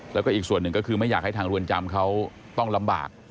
แล้วก็อีกส่วนหนึ่งก็คือไม่อยากให้ทางเรือนจำเขาต้องลำบาก